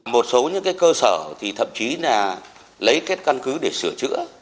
một số những cơ sở thậm chí là lấy các căn cứ để sửa chữa